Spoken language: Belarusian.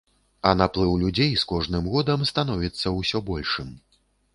А наплыў людзей з кожным годам становіцца ўсё большым.